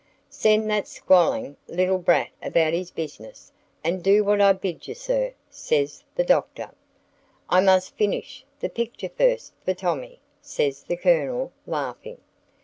"Send that squalling little brat about his business, and do what I bid ye, sir," says the Doctor. "I must finish, the picture first for Tommy," says the Colonel, laughing.